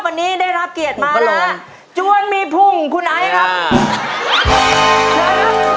วันนี้ได้รับเกียรติมาแล้วพระรองจ้วนมีพุ่งคุณไอ้ครับ